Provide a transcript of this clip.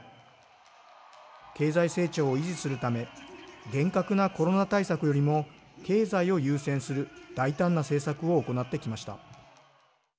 経済成長を維持するため厳格なコロナ対策よりも経済を優先する大胆な政策を行ってきました。